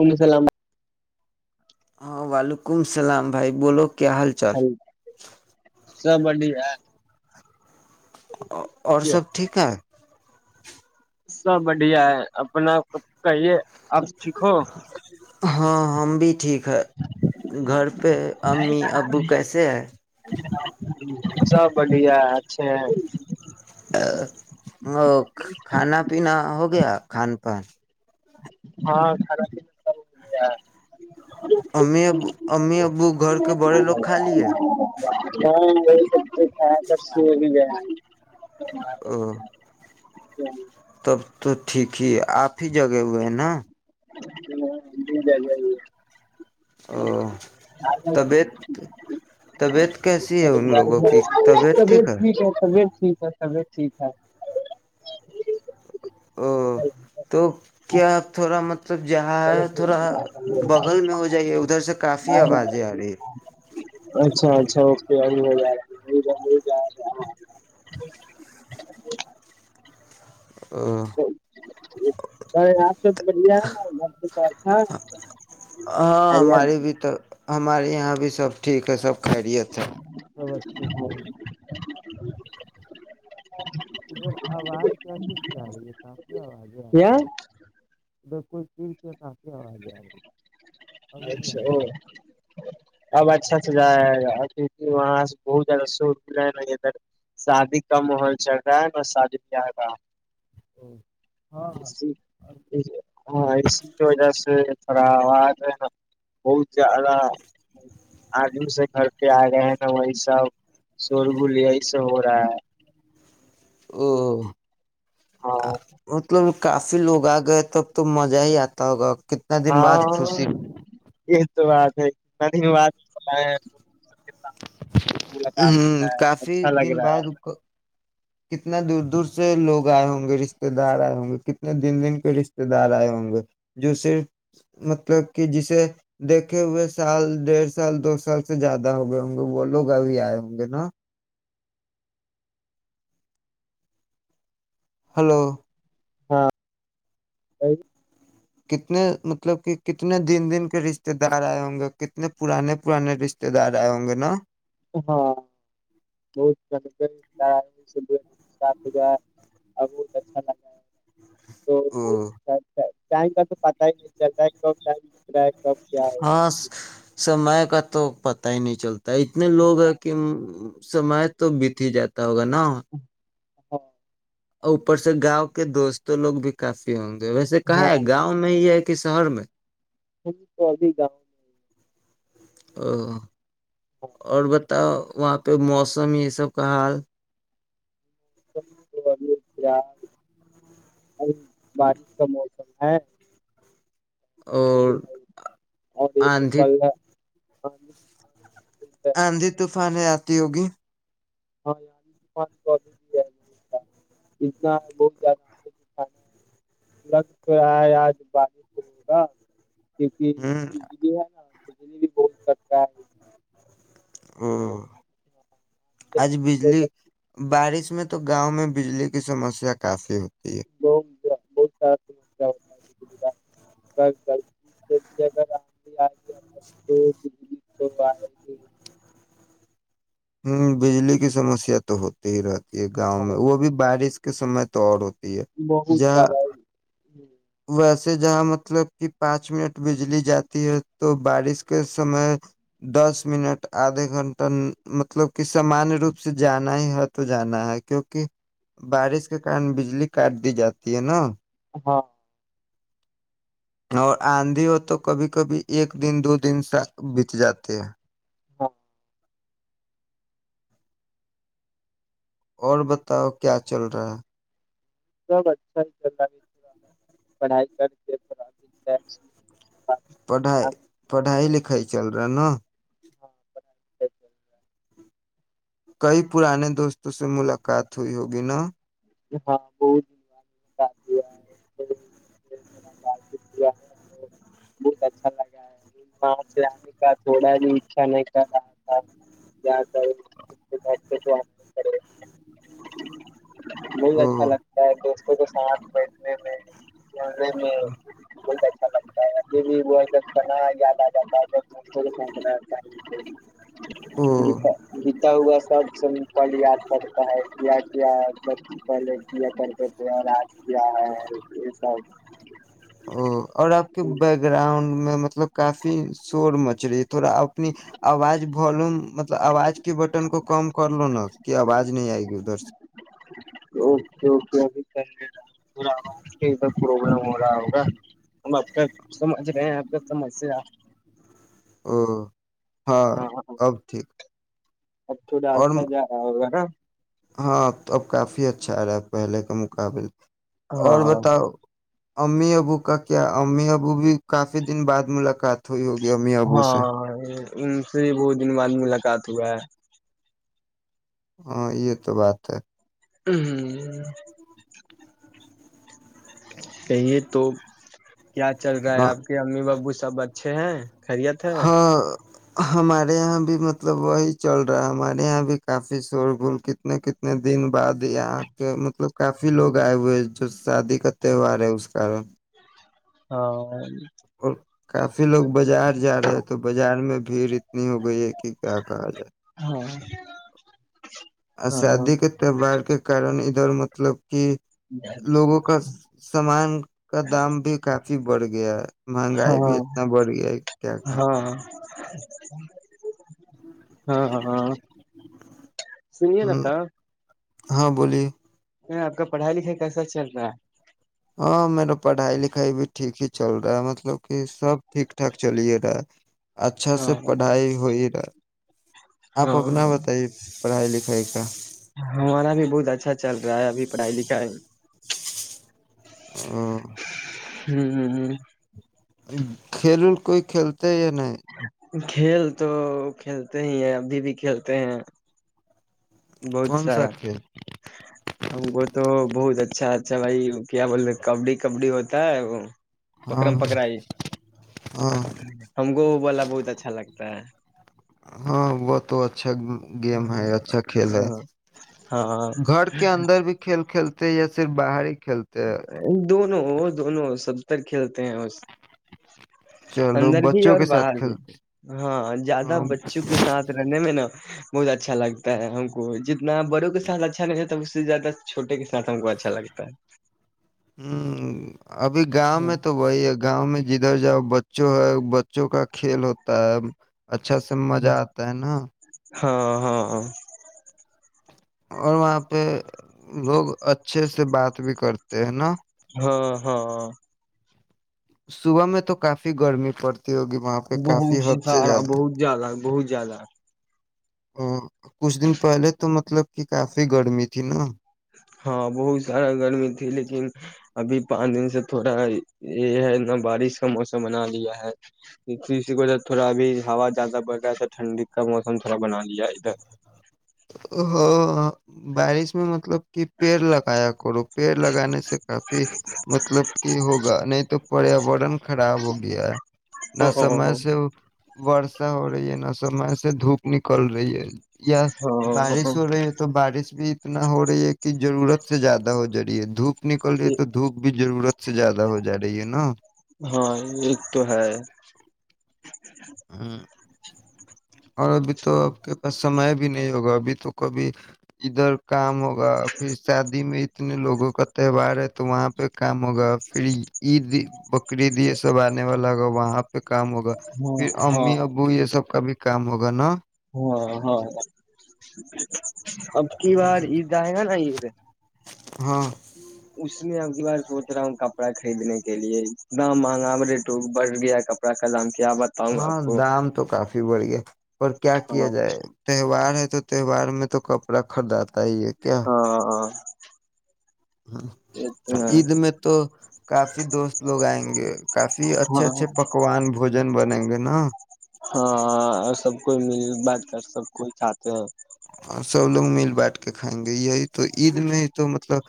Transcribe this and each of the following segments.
وعلم السلام ہاں وعلیکم السلام بھائی بولو کیا حال چال سب بڑیا اور سب ٹھیک ہے سب بڑھیا ہے اپنا کہیے آپ ٹھیک ہو ہاں ہم بھی ٹھیک گھر گھر پہ امی ابو کیسے ہے سب بڑھیا اچھا ہے وہ کھانا پینا ہو گیا کھان پان ہاں کھانا پینا سب ہو گیا امی ابو امی ابو گھر کے بڑے لوگ خھا لی ہے ہاں وہی سب کھیا کر سو بھی گیا [inaudible] تب تو ٹھیک ہی ہے آپ ہی جگہ ہوئے ہیں نا [inaudible] طبیعت طبیعت کیسی ہے ان لوگوں کی طبیعت ٹھیک ہے طبیعت ٹھیک ہے او لب جہاں تھوڑا بغل میں ہو جائیے ادھر سے کافی آوازیں آ رہی ہے اچھا اچھا اوکے ہے ہاں ہمارے بھی تو ہمارے یہاں بھی سب [inaudible] ٹھیک ہے سب خیریت ہیں سب اچھے سے [inaudible] ادھر آواز کیسیز کی آ رہی ہے کای آوازیں آ رہی ہے [inaudible] بھی آ اچھا رہی اب اچھا وہاں سے بہت زیادہ شور بھی رہا ن ادھر شادی کا ماحول چل رہا ہے نہ شادی بیاہ کا [inaudible] ہاں ہاں ہاں اس کی وجہ سے خراب [inaudible] [inaudible] او [inaudible] کافی لوگ آ گئے تب تو مزہ ہی آتا ہوگا کتنا دن بعد ہاں خوشی یہ تو ہے [inaudible] ہ ہو ہے کافی اچھا لگ دن رہا بعد ہے کو کتنے دور دور سے لوگ آئے ہوں گے رشتے دار آئے ہوں گے کتنے دن دن کے رشتے دار آئے ہوں گے جو صرف مطلب کہ جسے دیکھے ہوئے سال ڈیھ سال دو سال سے زیادہ ہو گئے ہوں گے وہ لوگ ابھی آئے ہوں گے نا ہلو ہاں کتنے مطلب کہ کتنے دن دن کے رشتے دار آئے ہوں گے کتنے پرانے پرانے رشتے دار آئے ہوں گے نا ہاں بہت جنکاری [inaudible] پا بہت اچھا لگا [inaudible] تو او وہ اچھا اچھا ہے [inaudible] ٹم کا تو پات ہی نہیں چل ک ائم د رہ ہے [inaudible] ہو رہا ہاں ہے سم کا [inaudible] تو پتا ہی نہیں چلتا [inaudible] اتنے لوگ ہیں ہاں کہ [inaudible] سما تو بیت ہی جاتا تو ہو گ نا [inaudible] اور اوپر سے گاؤں کے دوستوں لوگ بھی کافی ہوں گے ویسے کہا ہاں ہے گاؤں میں یہ ایک کہ شہر میں ہم توب بھی گاؤں میں [inaudible] [inaudible] اور ب تو وہاں پہ موسم یہ سب کا حال [inaudible] اب بارش کا موسم [inaudible] ہے اور آندھی [inaudible] ہاں جی [inaudible] آاںندی طوفان آ تی ہوگی ہاں تو بھی ہے بت اتنا بہت زیادہ آے کی کھانا ہے لگ تو ہے آج بارش ہوگا [inaudible] کیونکہ ہوں بجلی ہے نا بھی بہت کٹا [inaudible] ہ [inaudible] ہاں، آج اسی کی بجلی وجہ بارش اس میں تو گاؤں میں بجلی کی سسیا کافی ہوتی ہے با [inaudible] بہت سارا سمسیا ہوتا ہے بجلی کا اگر گرمی سے بھی اگر آندھی آئیب تو بجلی تو آئے ہیی [inaudible] ہوں بجلی کی سمسیا تو ہوتی ہی رہتی یہ گاؤں میں ہاں وہ بھی بارش کس سمے تو اور ہوتا بہت سارا ہے جی ویسے جہاں مطلب کہ پانچ منٹ بجلی جاتی ہے تو بارش کے سمے دس منٹ آدھا گھنٹہ مطلب کہ سامانیہ روپ سے جانا ہی ہے تو جانا ہے کیوںکہ بارش کے کن بجلی کاٹ دی جاتی ہے نا ہاں اور آندھی ہو تو کبھی کبھی ایک دن دو دن بت جاتے ہیں ہاں اور بتاؤ کیا چل رہا ہے سب اچھا چل رہا ہے اور پڑھائی کر تو آپ پڑھائی آپ پڑھائی ہاں لکھائی چل رہی ہے ہینا ہاں پڑھائی چل رہا ہے کئی پرانے دوستوں سے ملاقات ہوئی ہوگی نا ہاں بہت د بعا ہےا ب چتا ہے تو بہت اچھا لگا ہےاں سے آنے کا تھوڑا بھی اچھا نہیں کر رہا تھا پڑے [inaudible] بہت او اچھا لگتا ہے تو تو ساتھ بیٹھنے میں چلنے میں اچھا لگتا ہے ابھی بھی بس سنا یاد آ جاتا ہےوں او جیتا جیتا ہوا سب سے پل یاد پڑتا ہے کیا کیا سب پہلے کیا کرتے تھے آج کیا ہے یہ سب او اور آپ کے بیک گراؤنڈ میں مطلب کافی شور مچ رہی ہے تھوڑا اپنی آواز والوم مطلب آواز کے بٹن کو کم کر لو نا کہ آواز نہیں آئے گی ادھر سے اک ابھی ک رہا کہ پر پرابلم ہو رہا ہوگا ہم آپ کا سمجھ رہے ہیں آپ کا سمسیا ہ ہاں اب ٹھیک اب تھوڑا اور آچھا جا رہا ہوگا نا ہاں تو اب کافی اچھا آ رہا ہے پہلے کا مقابل اور ہاں بتاؤ امی ابو کا کیا امی ابو بھی کافی دن بعد ملاقات تھوئی ہو گیا ا ممی ابو سے ہاں ان سے بہت دن بعد ملاقات ہوا ہے ہاں یہ تو بات ہے ہ ہ کہیے تو کیا چل رہا ہے ہاں آپ کے امی بو سے سب اچھے ہیں خریت ہے ہاں ہمارے یہاں بھی مطلب وہی چل رہا ہے ہمارے یہاں بھی کافی شور پھول کتنے کتنے دن بعد یہاں کے مطلب کافی لوگ آئے ہوئے ہیں جو شادی کا تہوار ہے اس کارن ہاں اور کاف پھر لوگ بازار جا رہے تو بازار میں بھیڑ اتنی ہو گئی ہے کہ کیا کہا جائے ہاں ہاں اسژعادی کے تہوار کے کارن ادھر مطلب کہ لوگوں کا سامان کا دام بھی کافی بڑھ گیا ہے مہنگائی بھی ہاں اتنا بڑھ گیا ہے کیا کا ہاں ہاں ہاں سنے ن ہ تھا ہاں بولیے آپ کا پڑھائی لکھائی کیسا چل رہا ہے ہاں میرا پڑھائی لکھائی بھی ٹھیک ہی چل رہا ہے مطلب کہ سب ٹھیک ٹھاک چلے رہا ہے ہے اچھا سے ہاں پڑھائی ہوئی رہا آپ اپنا ہاں بتائیے پڑھائی لکھائی کا ہمارا بھی بہت اچھا چل رہا ہے ابھی پڑھائی لکھائی ہ ہوں ہ ہ کھیلون کوئی کھیلتا ہے یا نہیں کھیل تو کھیلتے ہی ہیں ابھی بھی کھیلتے ہیں بہت کون سا سارا کھیل ہم کو تو بہت اچھا اچھا بھائی کیا بولے کبڈی کبڈی ہوتا ہے وہ ہاں پکرم پکرائی ہاں ہم گ وال بہت اچھا لگتا ہے ہاں وہ تو اچھا گیم ہے اچھا کھیل ہے ہاں ہاں گھر کے اندر بھی کھیل کھیل چلتے یا پھر باہر کھیلتے ہیں دونوں ہو دونوں سب ر کھیل چلو اندر بھی بچوں اور کے ساتھ باہر بھی کھیلتے ہاں ہیں۔ زیادہ ہاں بچوں کے ساتھ رہنے میں نا بہت اچھا لگتا ہے ہم کو جتنا بڑوں کے ساتھ اچھا نہیں ہوتا اس سے زیادہ چھوٹے کے ساتھ ہم کو اچھا لگتا ہے ہوں ابھی گاؤں ہے میں تو وہی ہے گاؤں میں جدھر جاؤ ب ب جو ہے بچوں کا کھیل ہوتا ہے اچھا سے مزہ آتا ہے نا ہاں ہاں ہاں اور وہاں پہ لوگ اچھے سے بات بھی کرتے ہیں نا ہاں ہاں صبح میں تو کافی گرمی پڑتی ہوگی وہاں پہ بہت کافی حد سے سارا زیادہ بہت زیادہ بہت زیادہ ا کچھ دن پہلے تو مطلب کہ کافی گرمی تھی نا ہاں بہت سارا گرمی تھی لیکن ابھی پانچ دن سے تھوڑا یہ ہے ن بارش کا موسم بنا لیا ہے اسی کی وجہ سے تھوڑا ابھی ہا زیادہ بڑ گا ہے ٹھنڈی کا موسم تھوڑا بنا لیا ہے ادھر ہاں بارش میں مطلب کہ پیڑ لگایا کرو پیڑ لگانے سے کافی مطلب کہ ہوگا نہیں تو پریاورن خراب ہو گیا ہے نہ سمے ہاں سے ا ہو رہی ہے نہ سمے سے دھوپ نکل رہی ہے بارش ہو رہی ہے تو بارش بھی اتنا ہو رہی ہے کہ رورت سے زیادہ ہو جای ہے دوپ نکل رہی تو دھوپ بھی ضرورت سے زیادہ ہو جا رہی ہے نا ہاں ایک تو ہے ہاں اور ابھی تو آپ کے پاس سمئے بھی نہیں ہوگا ابھی تو کبھی ادھر کام ہوگا پھر شادی میں اتنے لوگوں کا تہوار ہے تو وہاں پہ کام ہوگا پھر عید کد سب بنے والا ہوا پ کام ہوگا ہاں پھر ہاں امی ابو یہ سب کا بھی کامگ ن ہاں ہاں اب کی بار عید آئے گا نا عید ہاں اس میں اب کی بار سوچ رہا ہوں کپڑا خریدنے کے لیے اتنا مہنگا ریٹ بڑھ گیا کپڑا کا دام کیا بتاؤں آپ ہاں کو دام تو کافی بڑی ہے اور کیا کیا ہاں جائے تہوار ہے تو تہوار میں تو تو کپڑا خریداتا آئی ہے کیا ہاں ہ ہاں عید میں تو کافی دوست لوگ آئیں گے کافی اچھے اچھے ہاں پکوان بوجن بنیں گے نا ہاں سب کوئی مل بانٹ کر سب کوئی چاہتے ہیں دھائیں گئی ہے تو عید میں ہی تو مطلب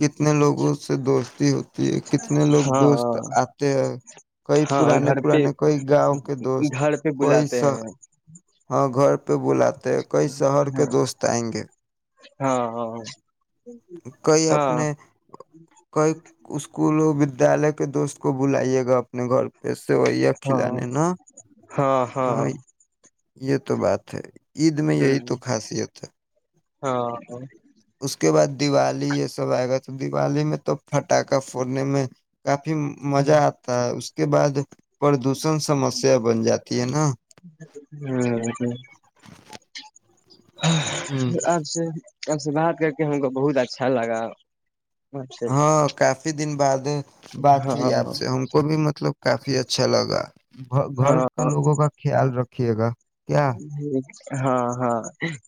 کتنے لوگوں سے دوست تی ہو یہ کتنے لوگ ہاں دوست ہاں آتے ہیں کئی ہاں پرانے گھر پہ پرانے کئی گاؤں کے دوست گھر پہ کوئی بلاتے س ہیں ہاں گھر پہ بلااتے ہیں کئی شہر کے دوست آئیں گے ہاں ہاں کئی ہاں اپنے کئی اسکول اس ودیالیہ کے دوست کو بلے گا اپنے گھر پسے وہی ہے کھلان ہاں نا ہاں ہاں ہ یہ تو بات ہے عید میں یہی تو ہ خاصیت ہے ہاں اس کے بعد دیوالی یہ سب آئے گا تو دیوالی میں تو پٹاکا فڑنے میں کافی کاف مزہ آتا ہے اس کے بعد پردوشن سمسیا بن جاتی ہے نا ہ آپ سے سب سے بات کر کے ہم کو بہت اچھا لگا آپ سے ہاں کافی دن بعد بات ہاں ہوئی آپ سے ہم کو بھی مطلب کافی اچھا لگا گھر کا ہاں لوگوں کا خیال رکھ رکھیے گا کیا [unintelligible] ہاں ہاں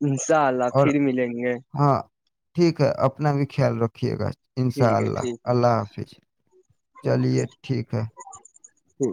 انشاء اللہ اور پھر ملیں گے ہاں ٹھیک ہے اپنا بھی خیال رکھیے گا انشاء ٹھیک ہے اللہ ٹھیک ہے اللہ حافظ چلیے اوکے ٹھیک ہے ٹھیک